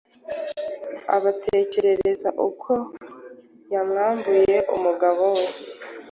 Abatekerereza uko yamwambuye umugabo we,